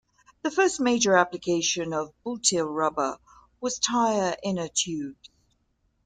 The first major application of butyl rubber was tire inner tubes.